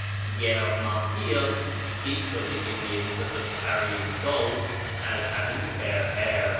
Pierre Martyr speaks of the Indians of the Parian Gulf as having fair hair.